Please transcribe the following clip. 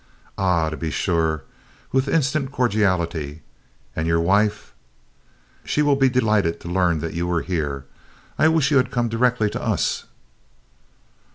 "Ah, to be sure!" with instant cordiality. "And your wife?" "She will be delighted to learn you are here. I wish you had come direct to us."